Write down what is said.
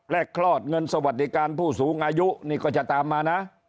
คลอดเงินสวัสดิการผู้สูงอายุนี่ก็จะตามมานะ